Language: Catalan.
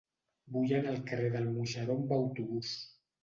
Vull anar al carrer del Moixeró amb autobús.